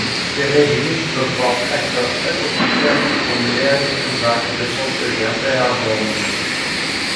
De resolutie bevat echter uiterst beperkte formuleringen inzake dit soort urgente hervormingen.